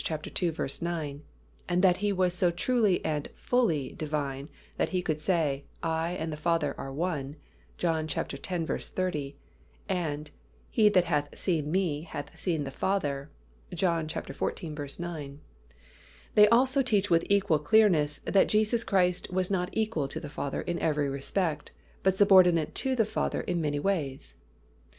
9) and that He was so truly and _fully _ Divine that He could say, "I and the Father are one" (John x. 30) and "He that hath seen Me hath seen the Father" (John xiv. 9), they also teach with equal clearness that Jesus Christ was not equal to the Father in every respect, but subordinate to the Father in many ways.